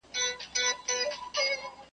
موږ پخپله ګناه کاریو ګیله نسته له شیطانه .